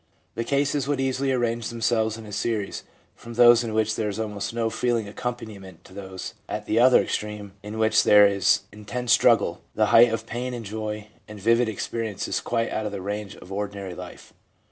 The cases would easily arrange themselves in a series from those in which there is almost no feeling accom paniment to those, at the other extreme, in which there is intense struggle, the height of pain and joy, and vivid experiences quite out of the range of ordinary life.